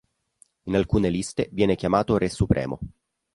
In alcune liste viene chiamato re supremo.